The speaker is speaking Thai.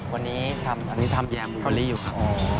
วันนี้ทำแยร์มูลลี่อยู่ครับอ๋อ